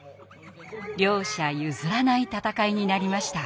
両者譲らない戦いになりました。